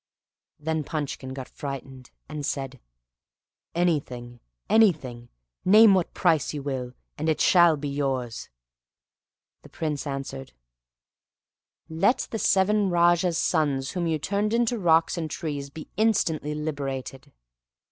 Then Punchkin got frightened, and said, "Anything, anything; name what price you will, and it shall be yours." The Prince answered, "Let the seven Raja's sons whom you turned into rocks and trees be instantly liberated."